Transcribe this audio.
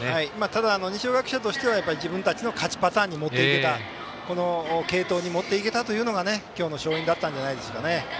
ただ、二松学舎としては自分たちの勝ちパターンに持っていけた、この継投に持っていけたというのが今日の勝因だったんじゃないですかね。